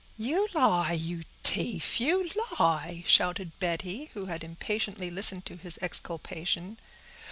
"You lie, you t'ief—you lie!" shouted Betty, who had impatiently listened to his exculpation.